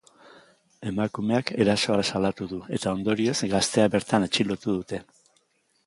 Emakumeak erasoa salatu du eta ondorioz, gaztea bertan atxilotu dute.